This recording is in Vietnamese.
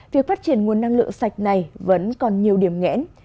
việc phát triển nguồn năng lượng sạch này vẫn còn nhiều điểm nghẽn